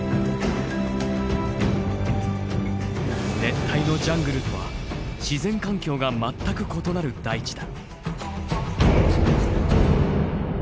熱帯のジャングルとは自然環境が全く異なる大地だ。